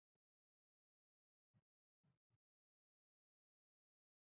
ځمکه د افغانستان د امنیت په اړه هم ډېر اغېز لري.